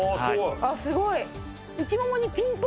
あっすごい。